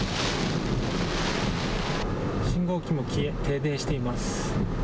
信号機も消え、停電しています。